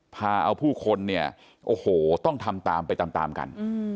พาเอาผู้คนเนี่ยโอ้โหต้องทำตามไปตามตามกัน